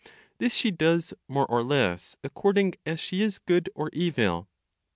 This she does more or less, according as she is good or evil.